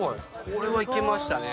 これはいけましたね。